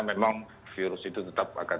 memang virus itu tetap akan